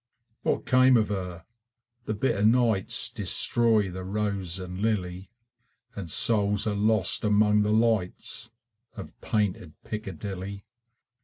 What came of her? The bitter nights Destroy the rose and lily, And souls are lost among the lights Of painted Piccadilly.